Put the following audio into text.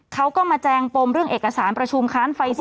เขาก็มาแจงปมเรื่องเอกสารประชุมค้านไฟเซอร์